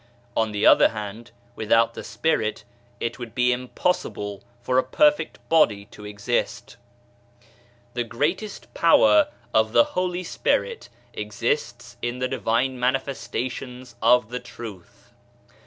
On the other hand, without the Spirit it would be impossible for a perfect body to exist. The greatest power of the Holy Spirit exists in the Divine Manifestations of the Truth.